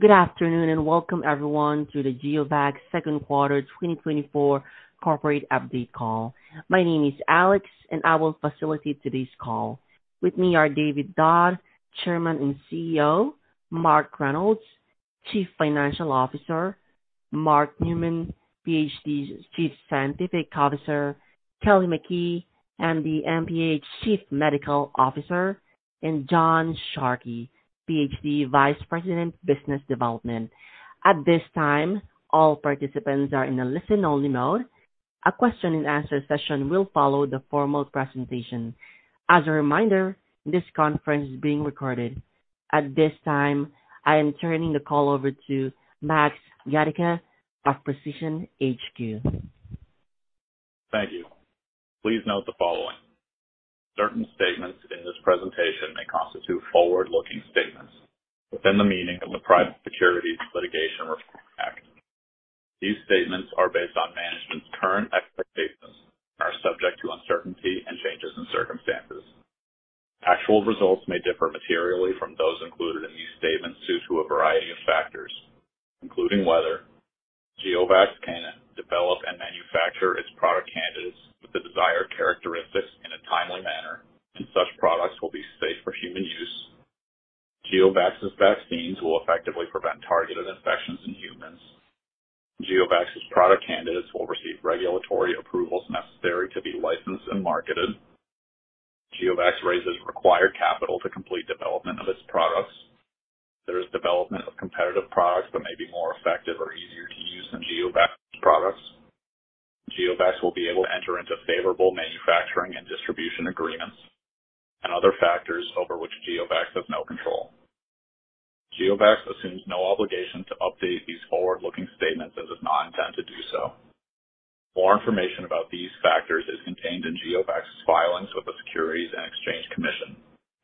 Good afternoon, and welcome, everyone, to the GeoVax Q2 2024 Corporate Update Call. My name is Alex, and I will facilitate today's call. With me are David Dodd, Chairman and CEO; Mark Reynolds, Chief Financial Officer; Mark Newman, PhD, Chief Scientific Officer; Kelly McKee, MD, MPH, Chief Medical Officer; and John Sharkey, PhD, Vice President, Business Development. At this time, all participants are in a listen-only mode. A Q&A session will follow the formal presentation. As a reminder, this conference is being recorded. At this time, I am turning the call over to Max Gadicke of Precision AQ. Thank you. Please note the following: Certain statements in this presentation may constitute forward-looking statements within the meaning of the Private Securities Litigation Reform Act. These statements are based on management's current expectations and are subject to uncertainty and changes in circumstances. Actual results may differ materially from those included in these statements due to a variety of factors, including whether GeoVax can develop and manufacture its product candidates with the desired characteristics in a timely manner, and such products will be safe for human use, GeoVax's vaccines will effectively prevent targeted infections in humans, GeoVax's product candidates will receive regulatory approvals necessary to be licensed and marketed, GeoVax raises required capital to complete development of its products, there is development of competitive products that may be more effective or easier to use than GeoVax products, GeoVax will be able to enter into favorable manufacturing and distribution agreements, and other factors over which GeoVax has no control. GeoVax assumes no obligation to update these forward-looking statements and does not intend to do so. More information about these factors is contained in GeoVax's filings with the Securities and Exchange Commission,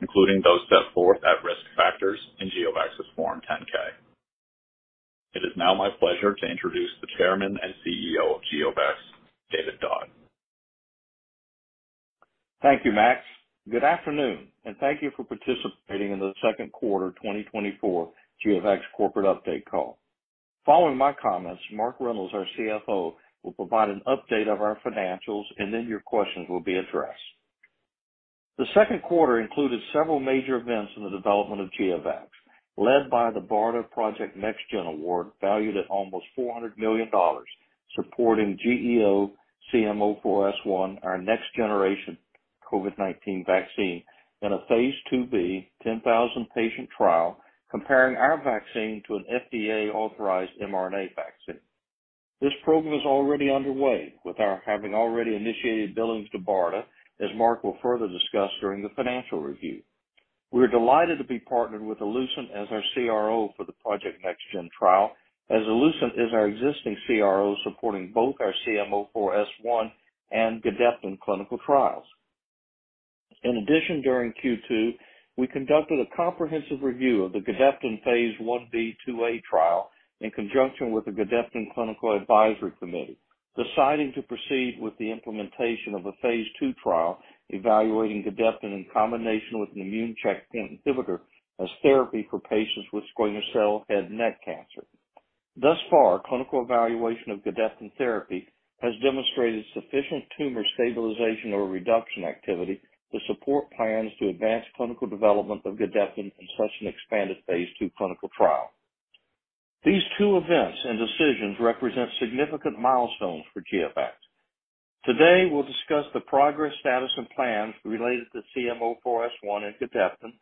including those set forth at Risk Factors in GeoVax's Form 10-K. It is now my pleasure to introduce the Chairman and CEO of GeoVax, David Dodd. Thank you, Max. Good afternoon, and thank you for participating in the Q2 2024 GeoVax Corporate Update Call. Following my comments, Mark Reynolds, our CFO, will provide an update of our financials, and then your questions will be addressed. The Q2 included several major events in the development of GeoVax, led by the BARDA Project NextGen Award, valued at almost $400 million, supporting GEO-CM04S1, our next-generation COVID-19 vaccine, in a Phase 2b 10,000-patient trial, comparing our vaccine to an FDA-authorized mRNA vaccine. This program is already underway, with our having already initiated billings to BARDA, as Mark will further discuss during the financial review. We're delighted to be partnered with Allucent as our CRO for the Project NextGen trial, as Allucent is our existing CRO, supporting both our CM04S1 and Gedeptin clinical trials. In addition, during Q2, we conducted a comprehensive review of the Gedeptin phase 1b/2a trial in conjunction with the Gedeptin Clinical Advisory Committee, deciding to proceed with the implementation of a phase 2 trial, evaluating Gedeptin in combination with an immune checkpoint inhibitor as therapy for patients with squamous cell head and neck cancer. Thus far, clinical evaluation of Gedeptin therapy has demonstrated sufficient tumor stabilization or reduction activity to support plans to advance clinical development of Gedeptin in such an expanded phase 2 clinical trial. These two events and decisions represent significant milestones for GeoVax. Today, we'll discuss the progress, status, and plans related to GEO-CM04S1 and Gedeptin,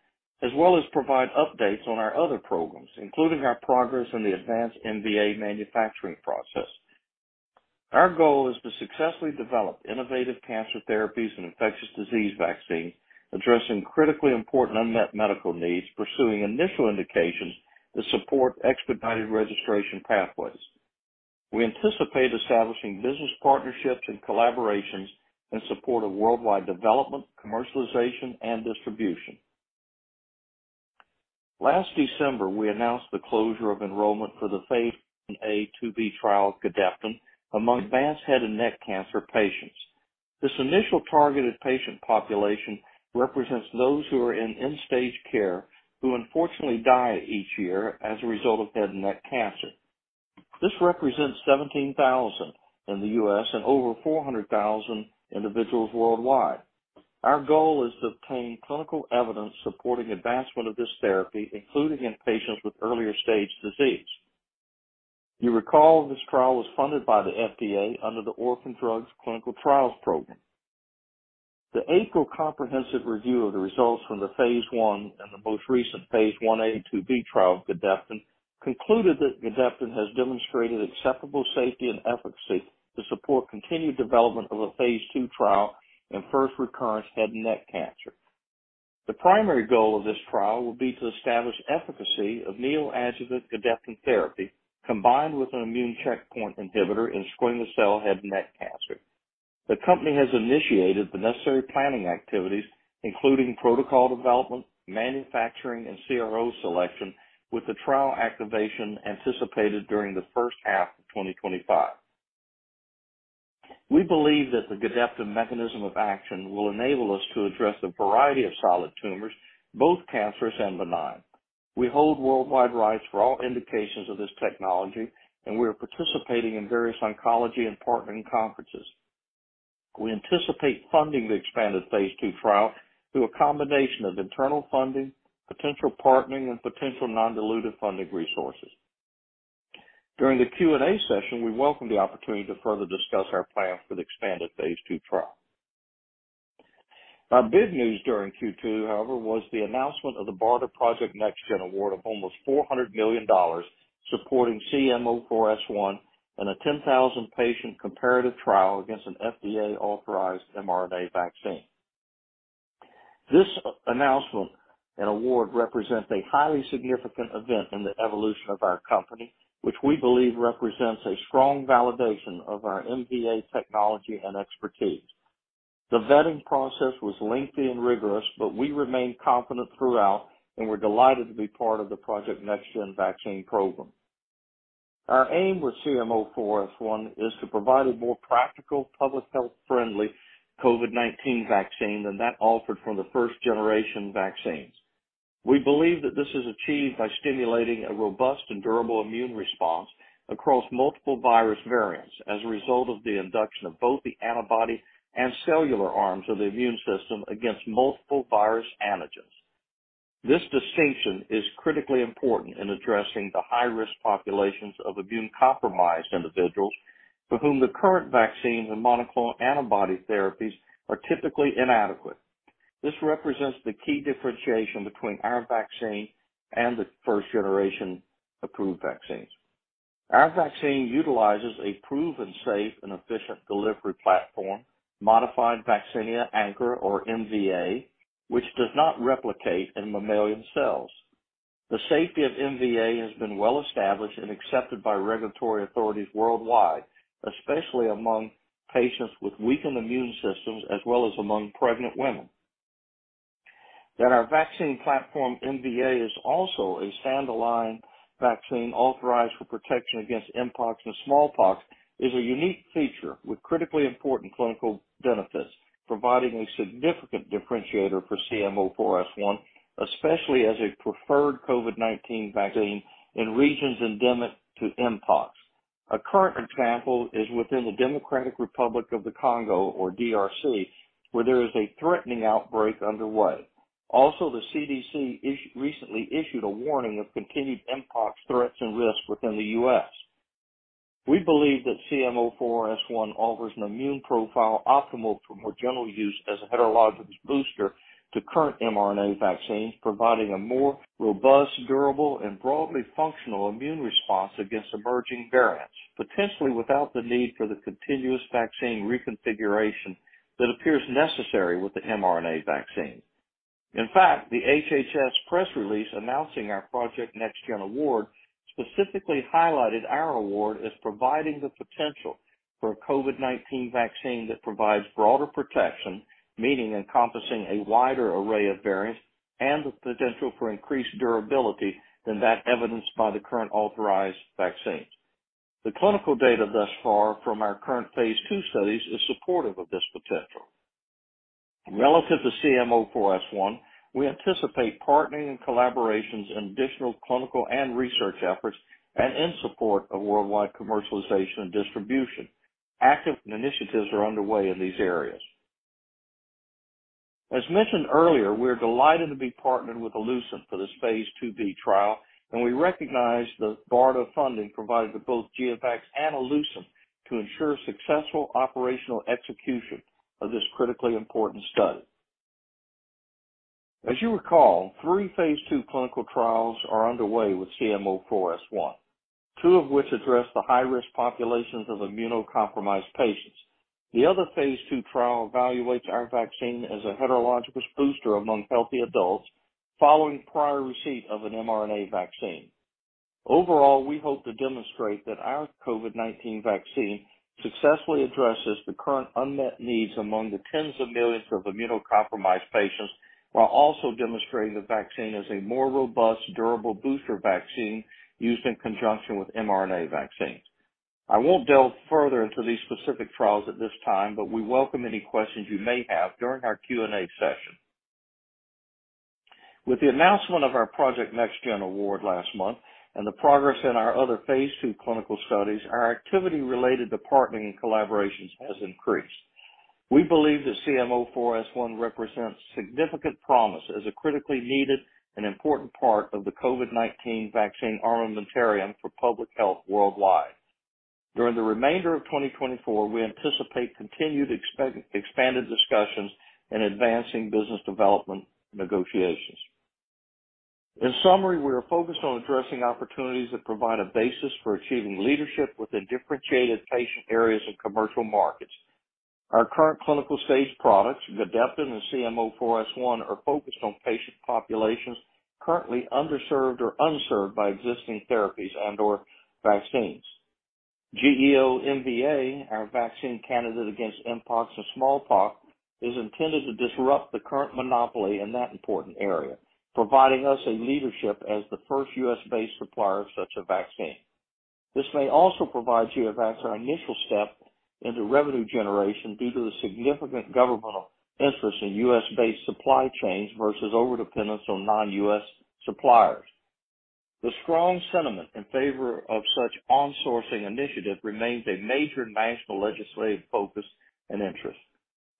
as well as provide updates on our other programs, including our progress in the advanced MVA manufacturing process. Our goal is to successfully develop innovative cancer therapies and infectious disease vaccines, addressing critically important unmet medical needs, pursuing initial indications to support expedited registration pathways. We anticipate establishing business partnerships and collaborations in support of worldwide development, commercialization, and distribution. Last December, we announced the closure of enrollment for the Phase 1a/2b trial of Gedeptin among advanced head and neck cancer patients. This initial targeted patient population represents those who are in end-stage care, who unfortunately die each year as a result of head and neck cancer. This represents 17,000 in the U.S. and over 400,000 individuals worldwide. Our goal is to obtain clinical evidence supporting advancement of this therapy, including in patients with earlier-stage disease. You recall this trial was funded by the FDA under the Orphan Drugs Clinical Trials Program. The Allucent comprehensive review of the results from the phase 1 and the most recent phase 1a/2b trial of Gedeptin concluded that Gedeptin has demonstrated acceptable safety and efficacy to support continued development of a phase 2 trial in first-recurrent head and neck cancer. The primary goal of this trial will be to establish efficacy of neoadjuvant Gedeptin therapy combined with an immune checkpoint inhibitor in squamous cell head and neck cancer. The company has initiated the necessary planning activities, including protocol development, manufacturing, and CRO selection, with the trial activation anticipated during the H1 of 2025. We believe that the Gedeptin mechanism of action will enable us to address a variety of solid tumors, both cancerous and benign. We hold worldwide rights for all indications of this technology, and we are participating in various oncology and partnering conferences. We anticipate funding the expanded phase II trial through a combination of internal funding, potential partnering, and potential non-dilutive funding resources. During the Q&A session, we welcome the opportunity to further discuss our plans for the expanded phase II trial. Our big news during Q2, however, was the announcement of the BARDA Project NextGen award of almost $400 million, supporting GEO-CM04S1 and a 10,000-patient comparative trial against an FDA-authorized mRNA vaccine. This announcement and award represent a highly significant event in the evolution of our company, which we believe represents a strong validation of our MVA technology and expertise. The vetting process was lengthy and rigorous, but we remained confident throughout, and we're delighted to be part of the Project NextGen vaccine program. Our aim with GEO-CM04S1 is to provide a more practical, public health-friendly COVID-19 vaccine than that offered from the first-generation vaccines. We believe that this is achieved by stimulating a robust and durable immune response across multiple virus variants as a result of the induction of both the antibody and cellular arms of the immune system against multiple virus antigens. This distinction is critically important in addressing the high-risk populations of immune-compromised individuals for whom the current vaccines and monoclonal antibody therapies are typically inadequate. This represents the key differentiation between our vaccine and the first-generation approved vaccines. Our vaccine utilizes a proven, safe, and efficient delivery platform, Modified Vaccinia Ankara, or MVA, which does not replicate in mammalian cells. The safety of MVA has been well established and accepted by regulatory authorities worldwide, especially among patients with weakened immune systems as well as among pregnant women. That our vaccine platform, MVA, is also a stand-alone vaccine authorized for protection against mpox and smallpox, is a unique feature with critically important clinical benefits, providing a significant differentiator for GEO-CM04S1, especially as a preferred COVID-19 vaccine in regions endemic to mpox. A current example is within the Democratic Republic of the Congo, or DRC, where there is a threatening outbreak underway. Also, the CDC recently issued a warning of continued mpox threats and risks within the U.S. We believe that GEO-CM04S1 offers an immune profile optimal for more general use as a heterologous booster to current mRNA vaccines, providing a more robust, durable, and broadly functional immune response against emerging variants, potentially without the need for the continuous vaccine reconfiguration that appears necessary with the mRNA vaccine. In fact, the HHS press release announcing our Project NextGen award specifically highlighted our award as providing the potential for a COVID-19 vaccine that provides broader protection, meaning encompassing a wider array of variants, and the potential for increased durability than that evidenced by the current authorized vaccines. The clinical data thus far from our current phase 2 studies is supportive of this potential. Relative to GEO-CM04S1, we anticipate partnering and collaborations in additional clinical and research efforts, and in support of worldwide commercialization and distribution. Active initiatives are underway in these areas. As mentioned earlier, we are delighted to be partnered with Allucent for this phase 2b trial, and we recognize the BARDA funding provided to both GeoVax and Allucent to ensure successful operational execution of this critically important study. As you recall, three phase 2 clinical trials are underway with GEO-CM04S1, two of which address the high-risk populations of immunocompromised patients. The other phase 2 trial evaluates our vaccine as a heterologous booster among healthy adults following prior receipt of an mRNA vaccine. Overall, we hope to demonstrate that our COVID-19 vaccine successfully addresses the current unmet needs among the tens of millions of immunocompromised patients, while also demonstrating the vaccine as a more robust, durable booster vaccine used in conjunction with mRNA vaccines. I won't delve further into these specific trials at this time, but we welcome any questions you may have during our Q&A session. With the announcement of our Project NextGen award last month and the progress in our other phase 2 clinical studies, our activity related to partnering and collaborations has increased. We believe that GEO-CM04S1 represents significant promise as a critically needed and important part of the COVID-19 vaccine armamentarium for public health worldwide. During the remainder of 2024, we anticipate continued expanded discussions in advancing business development negotiations. In summary, we are focused on addressing opportunities that provide a basis for achieving leadership within differentiated patient areas and commercial markets. Our current clinical stage products, Gedeptin and GEO-CM04S1, are focused on patient populations currently underserved or unserved by existing therapies and/or vaccines. GEO-MVA, our vaccine candidate against mpox and smallpox, is intended to disrupt the current monopoly in that important area, providing us a leadership as the first U.S.-based supplier of such a vaccine. This may also provide GeoVax our initial step into revenue generation due to the significant governmental interest in U.S.-based supply chains versus overdependence on non-U.S. suppliers. The strong sentiment in favor of such onshoring initiative remains a major national legislative focus and interest.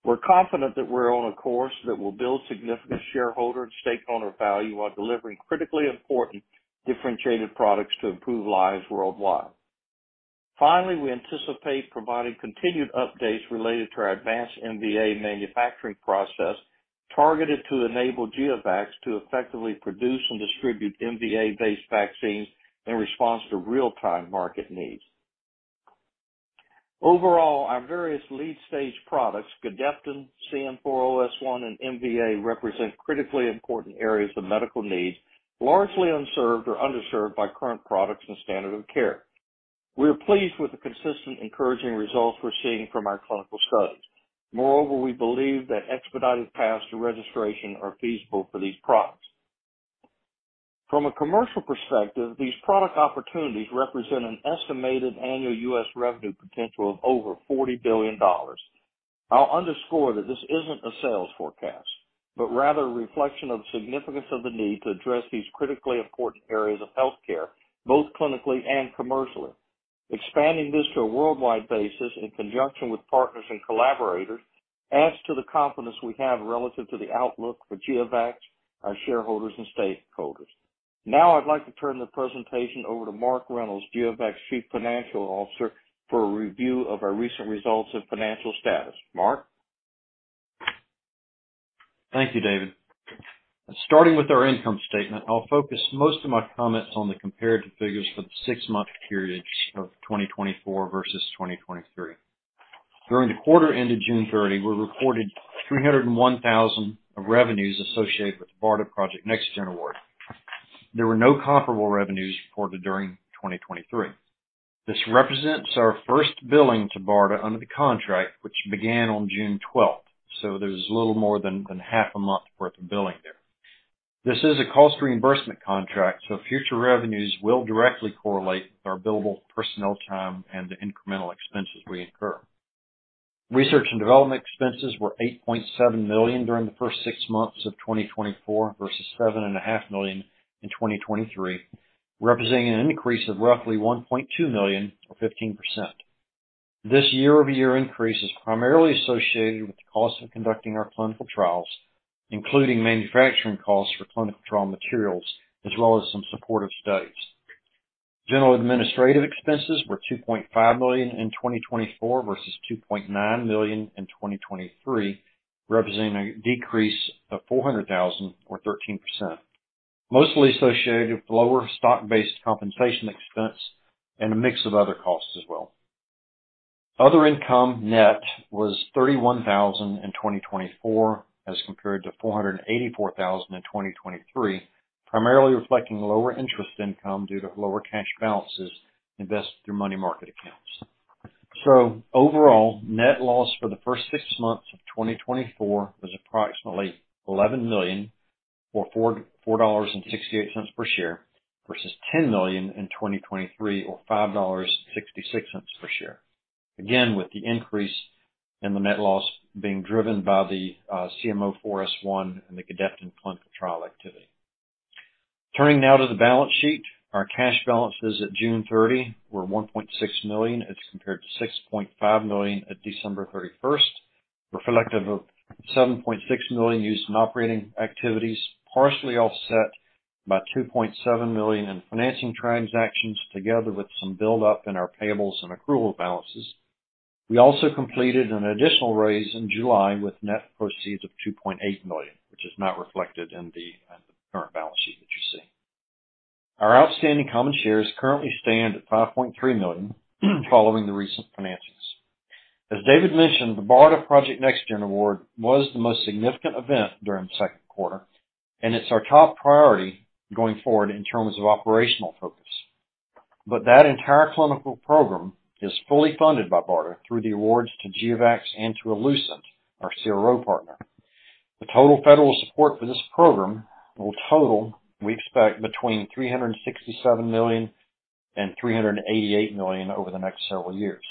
We're confident that we're on a course that will build significant shareholder and stakeholder value, while delivering critically important differentiated products to improve lives worldwide. Finally, we anticipate providing continued updates related to our advanced MVA manufacturing process, targeted to enable GeoVax to effectively produce and distribute MVA-based vaccines in response to real-time market needs. Overall, our various lead stage products, Gedeptin, GEO-CM04S1, and MVA, represent critically important areas of medical need, largely unserved or underserved by current products and standard of care. We are pleased with the consistent, encouraging results we're seeing from our clinical studies. Moreover, we believe that expedited paths to registration are feasible for these products. From a commercial perspective, these product opportunities represent an estimated annual US revenue potential of over $40 billion. I'll underscore that this isn't a sales forecast, but rather a reflection of the significance of the need to address these critically important areas of healthcare, both clinically and commercially. Expanding this to a worldwide basis in conjunction with partners and collaborators adds to the confidence we have relative to the outlook for GeoVax, our shareholders, and stakeholders. Now, I'd like to turn the presentation over to Mark Reynolds, GeoVax Chief Financial Officer, for a review of our recent results and financial status. Mark? Thank you, David. Starting with our income statement, I'll focus most of my comments on the comparative figures for the six-month period of 2024 versus 2023. During the quarter ended June 30, we reported $301,000 of revenues associated with the BARDA Project NextGen award. There were no comparable revenues reported during 2023. This represents our first billing to BARDA under the contract, which began on June 12, so there's little more than half a month worth of billing there. This is a cost reimbursement contract, so future revenues will directly correlate with our billable personnel time and the incremental expenses we incur. Research and development expenses were $8.7 million during the first six months of 2024, versus $7.5 million in 2023, representing an increase of roughly $1.2 million, or 15%. This year-over-year increase is primarily associated with the cost of conducting our clinical trials, including manufacturing costs for clinical trial materials, as well as some supportive studies. General administrative expenses were $2.5 million in 2024 versus $2.9 million in 2023, representing a decrease of $400,000 or 13%, mostly associated with lower stock-based compensation expense and a mix of other costs as well. Other income net was $31,000 in 2024, as compared to $484,000 in 2023, primarily reflecting lower interest income due to lower cash balances invested through money market accounts. So overall, net loss for the first six months of 2024 was approximately $11 million, or $4.68 per share, versus $10 million in 2023, or $5.66 per share. Again, with the increase in the net loss being driven by the GEO-CM04S1 and the Gedeptin clinical trial activity. Turning now to the balance sheet. Our cash balances at June 30 were $1.6 million, as compared to $6.5 million at December 31. Reflective of $7.6 million used in operating activities, partially offset by $2.7 million in financing transactions, together with some buildup in our payables and accrual balances. We also completed an additional raise in July with net proceeds of $2.8 million, which is not reflected in the current balance sheet that you see. Our outstanding common shares currently stand at 5.3 million, following the recent financings. As David mentioned, the BARDA Project NextGen award was the most significant event during the Q2, and it's our top priority going forward in terms of operational focus. But that entire clinical program is fully funded by BARDA through the awards to GeoVax and to Allucent, our CRO partner. The total federal support for this program will total, we expect, between $367 million and $388 million over the next several years.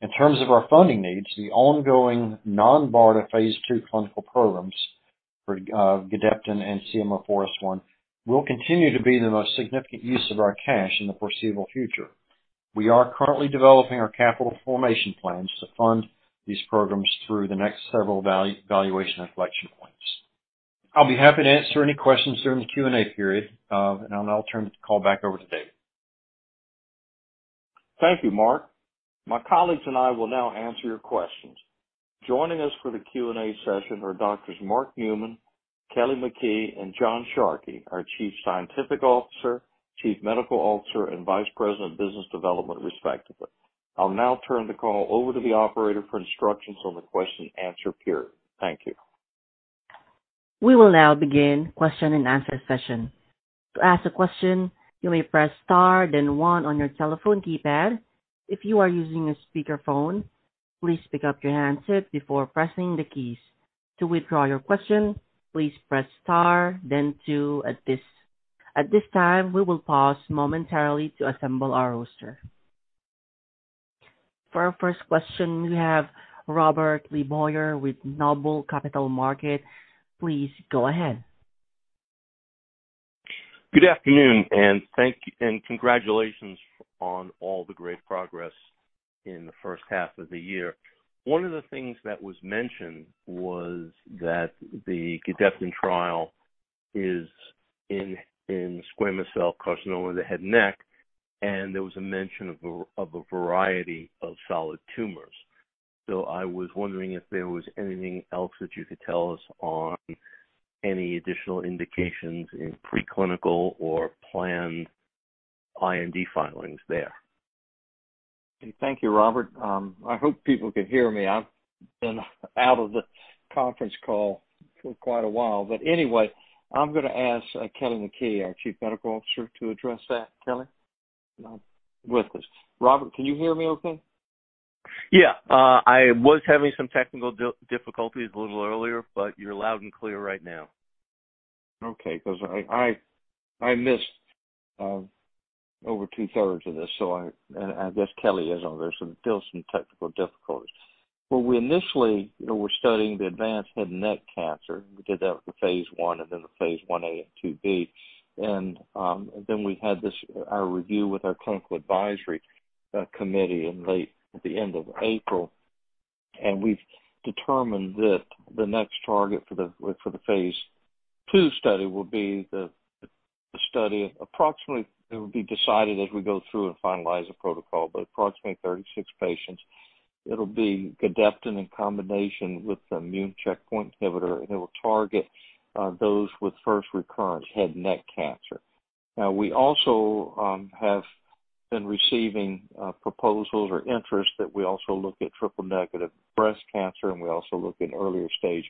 In terms of our funding needs, the ongoing non-BARDA Phase II clinical programs for Gedeptin and GEO-CM04S1 will continue to be the most significant use of our cash in the foreseeable future. We are currently developing our capital formation plans to fund these programs through the next several valuation inflection points. I'll be happy to answer any questions during the Q&A period, and I'll turn the call back over to David. Thank you, Mark. My colleagues and I will now answer your questions. Joining us for the Q&A session are Doctors Mark Newman, Kelly McKee, and John Sharkey, our Chief Scientific Officer, Chief Medical Officer, and Vice President of Business Development, respectively. I'll now turn the call over to the operator for instructions on the Q&A period. Thank you. We will now begin Q&A session. To ask a question, you may press star then one on your telephone keypad. If you are using a speakerphone, please pick up your handset before pressing the keys. To withdraw your question, please press star then two. At this time, we will pause momentarily to assemble our roster. For our first question, we have Robert LeBoyer with Noble Capital Markets. Please go ahead. Good afternoon, and thank you, and congratulations on all the great progress in the H1 of the year. One of the things that was mentioned was that the Gedeptin trial is in squamous cell carcinoma of the head and neck, and there was a mention of a variety of solid tumors. So I was wondering if there was anything else that you could tell us on any additional indications in preclinical or planned IND filings there? Thank you, Robert. I hope people can hear me. I've been out of the conference call for quite a while. But anyway, I'm gonna ask, Kelly McKee, our Chief Medical Officer, to address that. Kelly? No. Robert, can you hear me okay? I was having some technical difficulties a little earlier, but you're loud and clear right now. Okay. Because I missed over two-thirds of this, so I guess Kelly is on there, so still some technical difficulties. Well, we initially, you know, we're studying the advanced head and neck cancer. We did that with the phase 1 and then the phase 1a and 2b. Then we had this, our review with our clinical advisory committee in late April, and we've determined that the next target for the phase 2 study will be the study approximately. It will be decided as we go through and finalize the protocol, but approximately 36 patients. It'll be Gedeptin in combination with the immune checkpoint inhibitor, and it will target those with first recurrent head and neck cancer. Now, we also have been receiving proposals or interest that we also look at triple-negative breast cancer, and we also look at earlier stage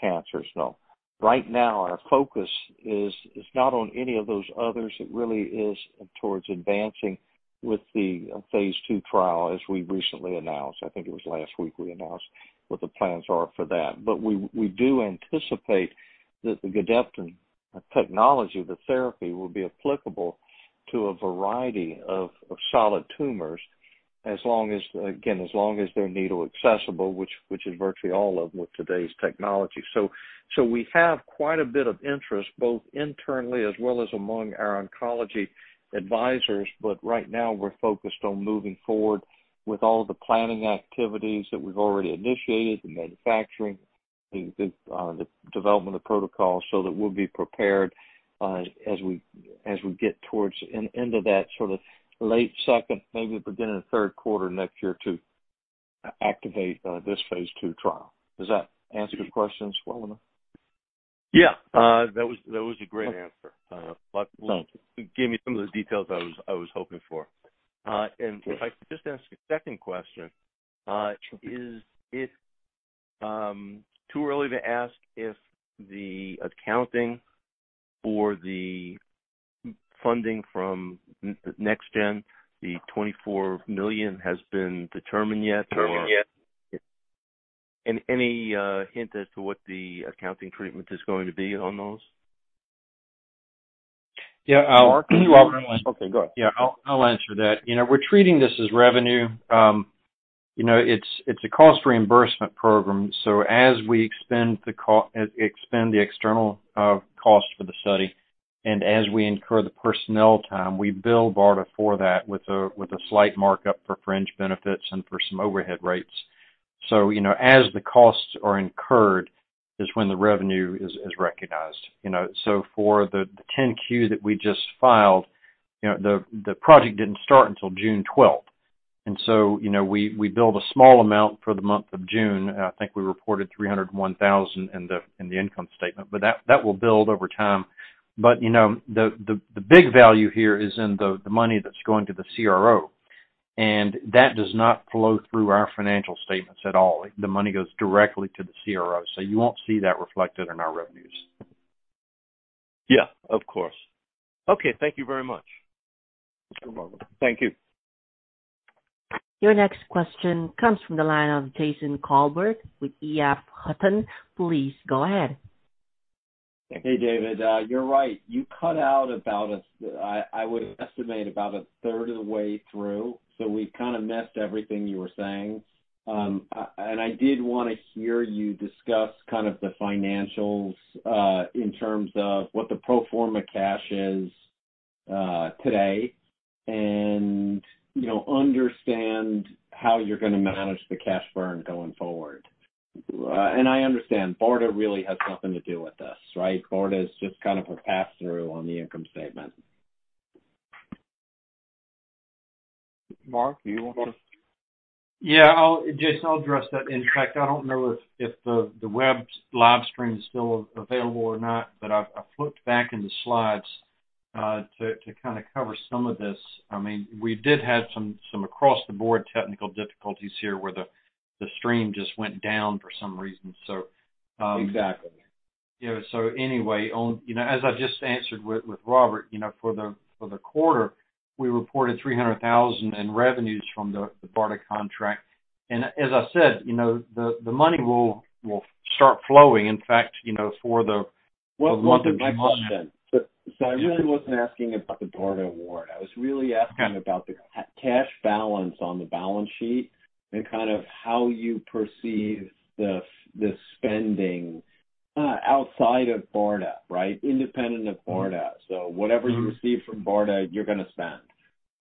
cancers. Now, right now, our focus is not on any of those others. It really is towards advancing with the phase 2 trial, as we recently announced. I think it was last week we announced what the plans are for that. But we do anticipate that the Gedeptin technology, the therapy, will be applicable to a variety of solid tumors, as long as, again, they're needle accessible, which is virtually all of them with today's technology. We have quite a bit of interest, both internally as well as among our oncology advisors, but right now we're focused on moving forward with all the planning activities that we've already initiated, the manufacturing, the development of protocols, so that we'll be prepared, as we get towards an end of that late second, maybe the beginning of the Q3 next year to activate this phase two trial. Does that answer your question well enough? That was a great answer. But- Thank you. gave me some of the details I was, I was hoping for. If I could just ask a second question. Sure. Is it too early to ask if the accounting for the funding from NextGen, the $24 million, has been determined yet, or? Determined yet. Any hint as to what the accounting treatment is going to be on those? Mark? Okay, go ahead. I'll answer that. You know, we're treating this as revenue. You know, it's, it's a cost reimbursement program, so as we expend the co-, expend the external cost for the study, and as we incur the personnel time, we bill BARDA for that with a, with a slight markup for fringe benefits and for some overhead rates. So, you know, as the costs are incurred, is when the revenue is, is recognized. You know, so for the 10-Q that we just filed, you know, the, the project didn't start until June twelfth. And so, you know, we, we billed a small amount for the month of June. I think we reported $301,000 in the, in the income statement, but that, that will build over time. But, you know, the big value here is in the money that's going to the CRO, and that does not flow through our financial statements at all. The money goes directly to the CRO, so you won't see that reflected in our revenues. Of course. Thank you very much. You're welcome. Thank you. Your next question comes from the line of Jason Kolbert with EF Hutton. Please go ahead. Hey, David, you're right. You cut out about a third of the way through, so we missed everything you were saying. And I did want to hear you discuss the financials, in terms of what the pro forma cash is, today, and, you know, understand how you're gonna manage the cash burn going forward. And I understand BARDA really has nothing to do with this, right? BARDA is just a pass-through on the income statement. Mark, do you want to? Jason, I'll address that. In fact, I don't know if the web live stream is still available or not, but I've flipped back in the slides to cover some of this. I mean, we did have some across the board technical difficulties here, where the stream just went down for some reason, so Exactly. So anyway, as I just answered with Robert, for the quarter, we reported $300,000 in revenues from the, the BARDA contract. And as I said, you know, the, the money will, will start flowing. In fact, you know, for the- Well, my question. So, so I really wasn't asking about the BARDA award. I was really asking about the cash balance on the balance sheet, and how you perceive the spending, outside of BARDA, right? Independent of BARDA. Mm-hmm. Whatever you receive from BARDA, you're gonna spend.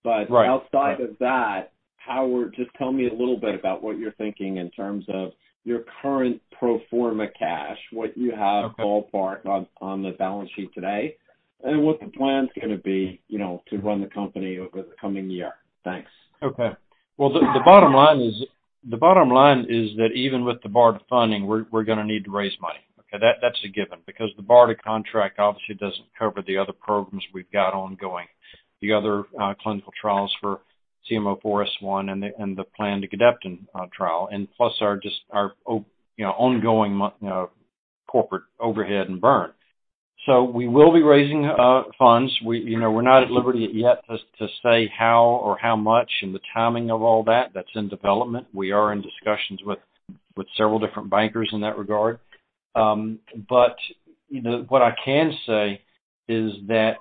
Right. But outside of that, or just tell me a little bit about what you're thinking in terms of your current pro form a cash, what you have ballpark on the balance sheet today, and what the plan's gonna be, you know, to run the company over the coming year. Thanks. Okay. Well, the bottom line is that even with the BARDA funding, we're gonna need to raise money. That's a given, because the BARDA contract obviously doesn't cover the other programs we've got ongoing, the other clinical trials for GEO-CM04S1 and the planned Gedeptin trial, and plus our ongoing corporate overhead and burn. So we will be raising funds. You know, we're not at liberty yet to say how or how much and the timing of all that, that's in development. We are in discussions with several different bankers in that regard. But what I can say is that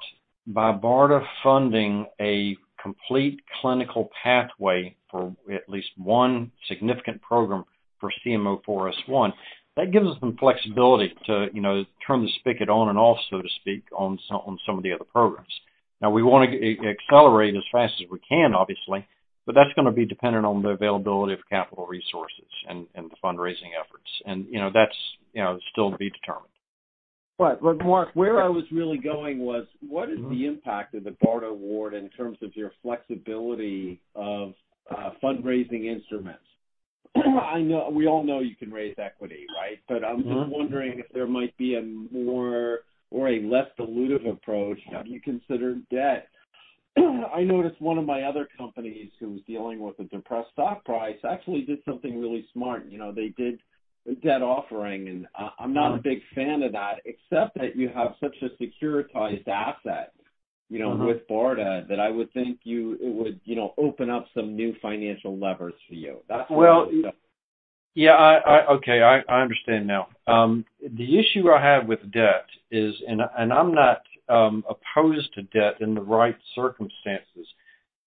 by BARDA funding a complete clinical pathway for at least one significant program for GEO-CM04S1, that gives us some flexibility to, you know, turn the spigot on and off, so to speak, on some, on some of the other programs. Now, we wanna accelerate as fast as we can, obviously, but that's gonna be dependent on the availability of capital resources and, and the fundraising efforts. And, you know, that's, you know, still to be determined. But Mark, where I was really going was what is the impact of the BARDA award in terms of your flexibility of, fundraising instruments? I know, we all know you can raise equity, right? I'm just wondering if there might be a more or a less dilutive approach. Have you considered debt? I noticed one of my other companies who was dealing with a depressed stock price actually did something really smart. You know, they did a debt offering, and, Uh-huh I'm not a big fan of that, except that you have such a securitized asset- Mm-hmm With BARDA, that I would think you, it would, you know, open up some new financial levers for you. That's what I think so. I understand now. The issue I have with debt is, I'm not opposed to debt in the right circumstances.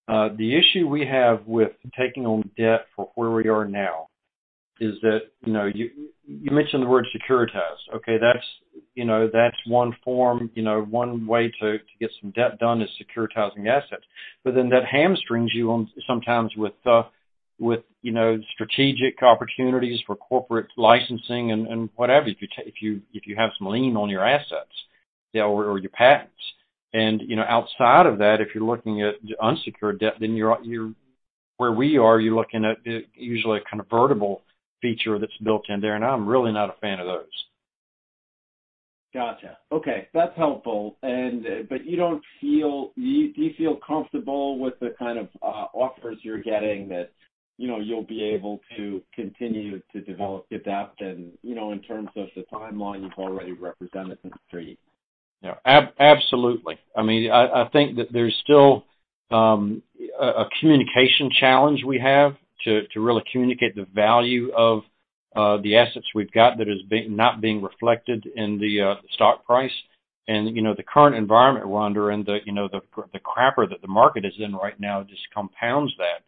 The issue we have with taking on debt for where we are now is that, you know, you mentioned the word securitize. Okay, that's, you know, that's one form, you know, one way to get some debt done is securitizing assets. But then that hamstrings you on sometimes with you know, strategic opportunities for corporate licensing and whatever, if you have some lien on your assets or your patents. And, you know, outside of that, if you're looking at unsecured debt, then you're where we are, you're looking at usually a convertible feature that's built in there, and I'm really not a fan of those. Gotcha. Okay, that's helpful. But you do you feel comfortable with the offers you're getting that, you'll be able to continue to develop Gedeptin and in terms of the timeline you've already represented to the street? Absolutely. That there's still a communication challenge we have to really communicate the value of the assets we've got that is not being reflected in the stock price. And, you know, the current environment we're under, and, you know, the crapper that the market is in right now just compounds that.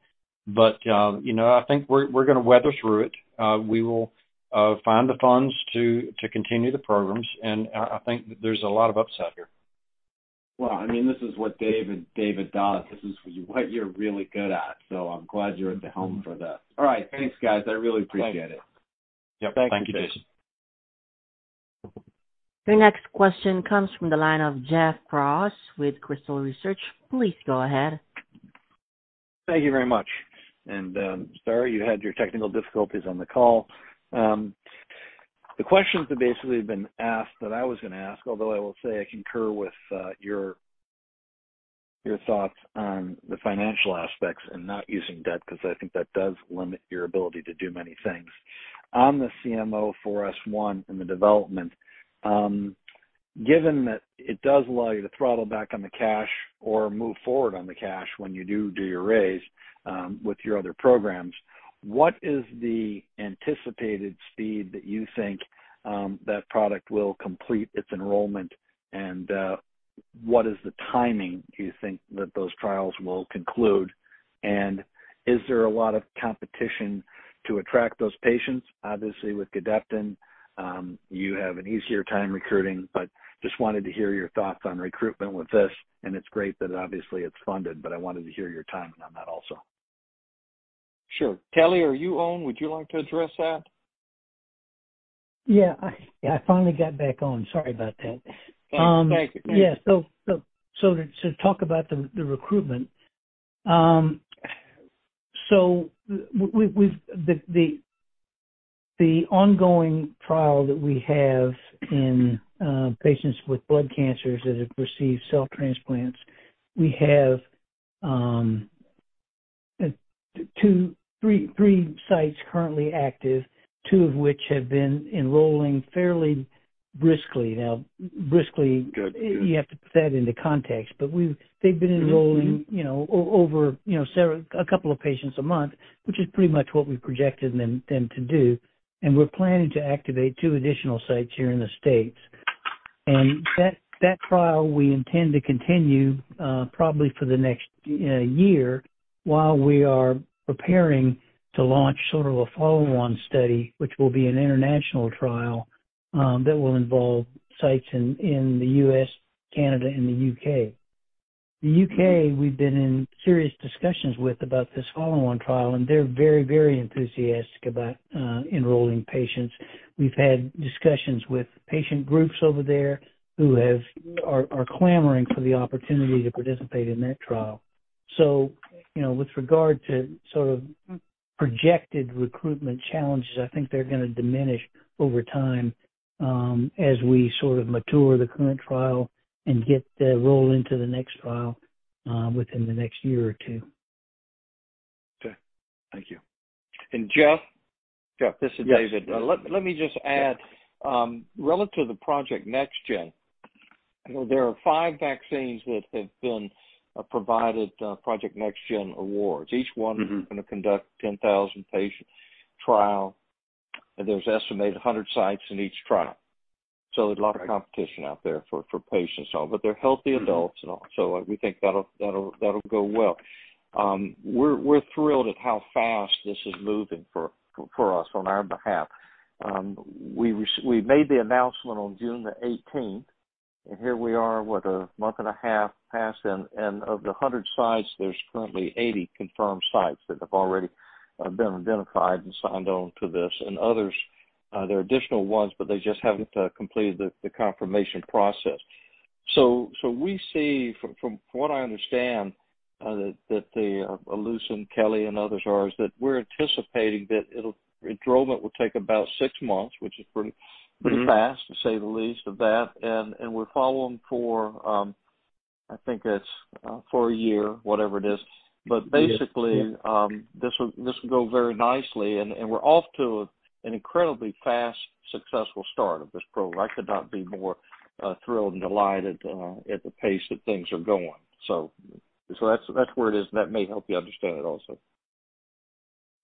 But, you know, I think we're gonna weather through it. We will find the funds to continue the programs, and I think that there's a lot of upside here. Well, I mean, this is what David, David does. This is what you're really good at, so I'm glad you're at the helm for that. All right, thanks, guys. I really appreciate it. Thank you. Thank you, Jason. Your next question comes from the line of Jeff Kraws with Crystal Research. Please go ahead. Thank you very much. And, sorry, you had your technical difficulties on the call. The questions that basically have been asked that I was gonna ask, although I will say I concur with your thoughts on the financial aspects and not using debt, because I think that does limit your ability to do many things. On the GEO-CM04S1 and the development, given that it does allow you to throttle back on the cash or move forward on the cash when you do your raise, with your other programs, what is the anticipated speed that you think that product will complete its enrollment? And, what is the timing, do you think, that those trials will conclude? And is there a lot of competition to attract those patients? Obviously, with Gedeptin, you have an easier time recruiting, but just wanted to hear your thoughts on recruitment with this, and it's great that obviously it's funded, but I wanted to hear your timing on that also. Sure. Kelly, are you on? Would you like to address that? I finally got back on. Sorry about that. Thank you. So to talk about the recruitment, So we've the ongoing trial that we have in patients with blood cancers that have received cell transplants. We have two or three sites currently active, two of which have been enrolling fairly briskly. Now, briskly- Good. You have to put that into context, but we've, they've been enrolling over several, a couple of patients a month, which is pretty much what we projected them to do. And we're planning to activate two additional sites here in the States. And that trial, we intend to continue probably for the next year, while we are preparing to launch a follow-on study, which will be an international trial that will involve sites in the U.S., Canada, and the U.K. The U.K., we've been in serious discussions with about this follow-on trial, and they're very, very enthusiastic about enrolling patients. We've had discussions with patient groups over there who are clamoring for the opportunity to participate in that trial. So, you know, with regard to projected recruitment challenges, I think they're gonna diminish over time, as we mature the current trial and get the rollover into the next trial, within the next year or two. Okay. Thank you. And Jeff? Jeff, this is David. Yes. Let me just add, relative to the Project NextGen, you know, there are 5 vaccines that have been provided Project NextGen awards. Each one is gonna conduct 10,000-patient trial, and there's estimated 100 sites in each trial. So there's a lot of competition out there for patients, but they're healthy adults, and so we think that'll go well. We're thrilled at how fast this is moving for us on our behalf. We made the announcement on June the eighteenth, and here we are, what? A month and a half passed, and of the 100 sites, there's currently 80 confirmed sites that have already been identified and signed on to this. And others, there are additional ones, but they just haven't completed the confirmation process. So, from what I understand, that the Allucent, Kelly, and others are, is that we're anticipating that it'll enrollment will take about six months, which is pretty fast, to say the least of that. And, we're following for, I think it's, for a year, whatever it is. But basically, this will go very nicely, and we're off to an incredibly fast, successful start of this program. I could not be more thrilled and delighted at the pace that things are going. That's where it is, and that may help you understand it also.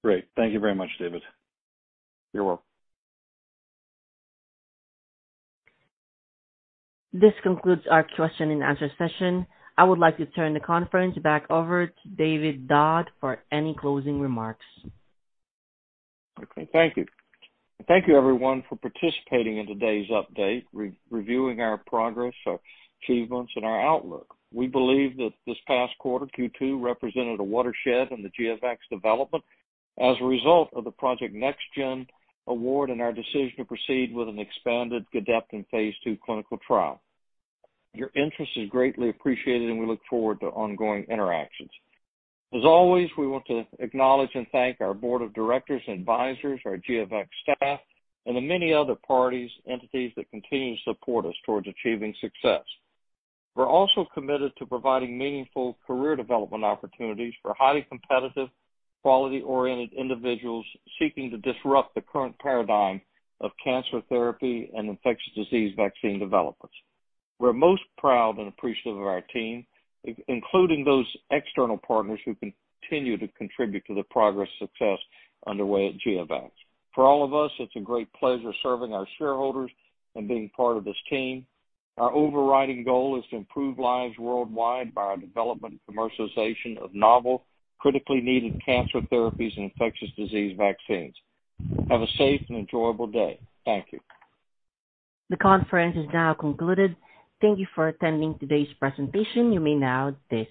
Great. Thank you very much, David. You're welcome. This concludes our Q&A session. I would like to turn the conference back over to David Dodd for any closing remarks. Okay. Thank you. Thank you, everyone, for participating in today's update, re-reviewing our progress, our achievements, and our outlook. We believe that this past quarter, Q2, represented a watershed in the GFX development as a result of the Project NextGen Award and our decision to proceed with an expanded Gedeptin Phase 2 clinical trial. Your interest is greatly appreciated, and we look forward to ongoing interactions. As always, we want to acknowledge and thank our board of directors and advisors, our GFX staff, and the many other parties, entities that continue to support us towards achieving success. We're also committed to providing meaningful career development opportunities for highly competitive, quality-oriented individuals seeking to disrupt the current paradigm of cancer therapy and infectious disease vaccine developers. We're most proud and appreciative of our team, including those external partners who continue to contribute to the progress success underway at GFX. For all of us, it's a great pleasure serving our shareholders and being part of this team. Our overriding goal is to improve lives worldwide by our development and commercialization of novel, critically needed cancer therapies and infectious disease vaccines. Have a safe and enjoyable day. Thank you. The conference is now concluded. Thank you for attending today's presentation. You may now disconnect.